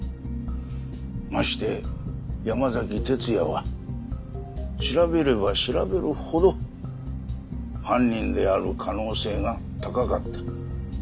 まして山崎哲也は調べれば調べるほど犯人である可能性が高かった。